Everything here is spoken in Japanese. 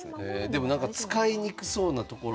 でもなんか使いにくそうなところ。